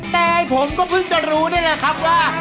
แต่ผมก็เพิ่งจะรู้นี่แหละครับว่า